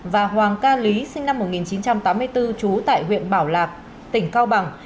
và hoàng ca lý sinh năm một nghìn chín trăm tám mươi bốn trú tại huyện bảo lạc tỉnh cao bằng